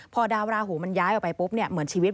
พอดาวราหูมันย้ายออกไปปุ๊บเนี่ย